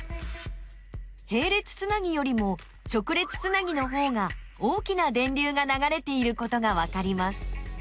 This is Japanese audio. へい列つなぎよりも直列つなぎのほうが大きな電流がながれていることがわかります。